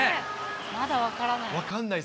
まだ分からない。